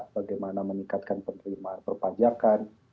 bagaimana meningkatkan penerimaan perpajakan